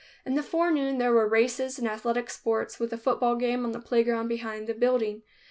In the forenoon, there were races and athletic sports, with a football game on the playground behind the building.